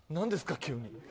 急に。